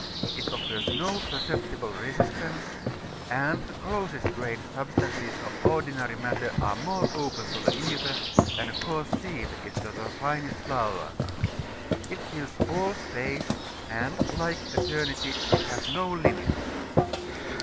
It offers no perceptible resistance, and the closest grained substances of ordinary matter are more open to the ether than a coarse sieve is to the finest flour. It fills all space, and, like eternity, it has no limits.